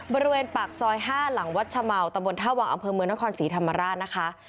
บริเวณปากซอย๕หลังวัดชะเมาตะบนท่าวังอำเภอเมืองนครศรีธรรมราชนะคะ